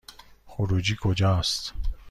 خروجی کجاست؟